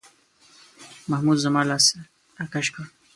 محمود زما لاس راکش کړ.